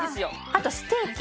あとステーキ。